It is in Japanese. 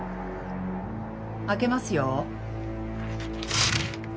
開けますよ。